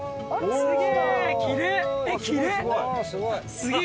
すげえ！